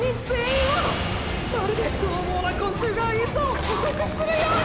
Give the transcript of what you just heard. まるで獰猛な昆虫がエサを捕食するように！！